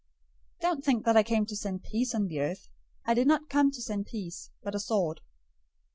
010:034 "Don't think that I came to send peace on the earth. I didn't come to send peace, but a sword.